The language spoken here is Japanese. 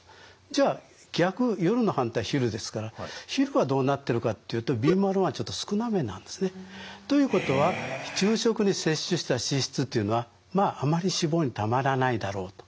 じゃあ逆夜の反対昼ですから昼はどうなってるかっていうとビーマル１ちょっと少なめなんですね。ということは昼食に摂取した脂質というのはまああまり脂肪に貯まらないだろうと。